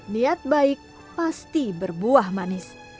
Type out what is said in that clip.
niat baik pasti berbuah manis